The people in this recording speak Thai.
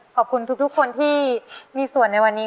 ขอบคุณทุกคนที่มีส่วนในวันนี้